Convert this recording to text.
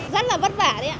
rất là vất vả đấy ạ